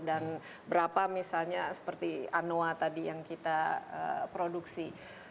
dan berapa misalnya seperti anoa tadi yang kita produksi